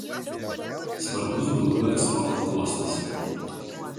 Svarbus grūdų eksporto uostas.